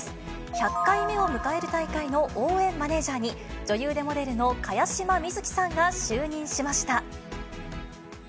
１００回目を迎える大会の応援マネージャーに、女優でモデルの茅島みずきさんが就任しました。